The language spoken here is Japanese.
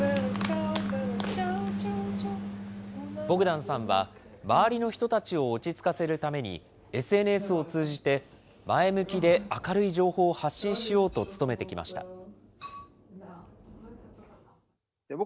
ボグダンさんは、周りの人たちを落ち着かせるために、ＳＮＳを通じて、前向きで明るい情報を発信しようと努めてきました。